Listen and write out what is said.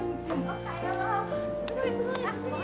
すごいすごい！